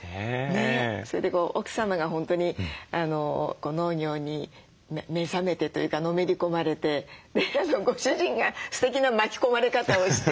それで奥様が本当に農業に目覚めてというかのめり込まれてご主人がすてきな巻き込まれ方をして。